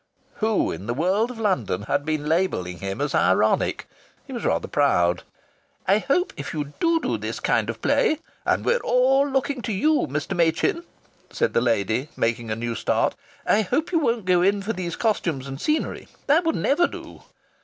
Who? Who in the world of London had been labelling him as ironic? He was rather proud. "I hope if you do do this kind of play and we're all looking to you, Mr. Machin," said the lady, making a new start, "I hope you won't go in for these costumes and scenery. That would never do!"